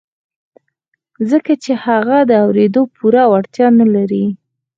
ځکه چې هغه د اورېدو پوره وړتيا نه لري.